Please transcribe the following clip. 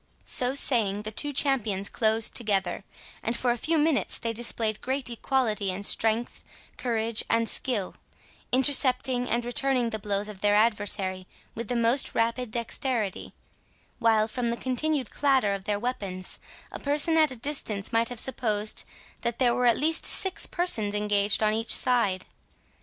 So saying, the two champions closed together, and for a few minutes they displayed great equality in strength, courage, and skill, intercepting and returning the blows of their adversary with the most rapid dexterity, while, from the continued clatter of their weapons, a person at a distance might have supposed that there were at least six persons engaged on each side.